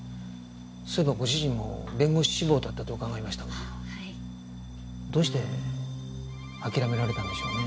そういえばご主人も弁護士志望だったと伺いましたがどうして諦められたんでしょうね。